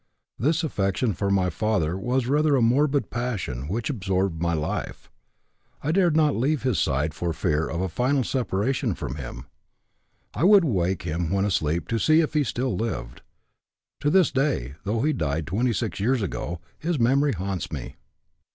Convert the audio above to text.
This affection for my father was rather a morbid passion which absorbed my life. I dared not leave his side for fear of a final separation from him. I would wake him when asleep to see if he still lived. To this day, though he died twenty six years ago, his memory haunts me.